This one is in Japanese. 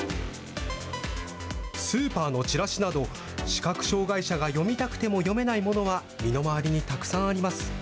スーパーのチラシなど、視覚障害者が読みたくても読めないものは身の回りにたくさんあります。